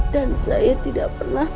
dan saya tidak pernah